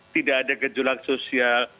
tidak ada gejolak sosial